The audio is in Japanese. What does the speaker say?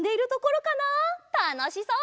たのしそう！